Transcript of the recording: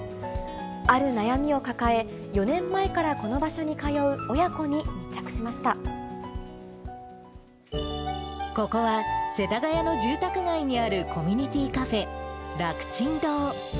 ある悩みを抱え、４年前からこのここは、世田谷の住宅街にあるコミュニティカフェ、楽ちん堂。